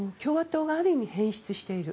共和党がある意味変質している。